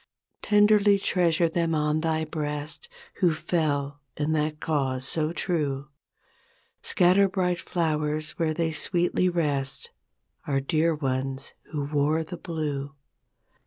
Tenderly treasure them on thy breast Who fell in that cause so true; Scatter bright flowers where they sweetly rest— Our dear ones who wore the blue.